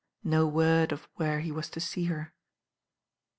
No word of wher was to see her.